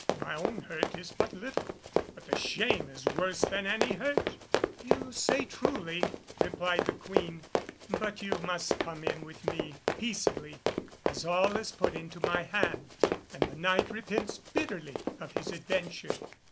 My own hurt is but little, but the shame is worse than any hurt." "You say truly," replied the Queen, "but you must come in with me peaceably, as all is put into my hand, and the Knight repents bitterly of his adventure."